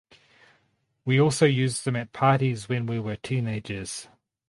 We also used them at parties when we were teenagers.